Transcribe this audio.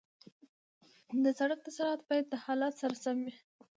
د سړک سرعت باید د حالت سره سم وي.